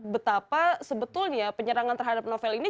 betapa sebetulnya penyerangan terhadap novel ini